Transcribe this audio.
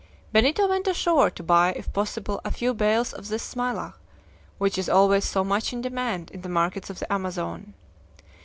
Benito went ashore, to buy, if possible, a few bales of this smilax, which is always so much in demand in the markets of the Amazon.